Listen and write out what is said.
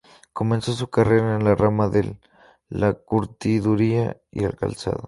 Comenzó su carrera en la rama de la curtiduría y el calzado.